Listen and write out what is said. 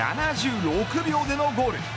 ７６秒でのゴール。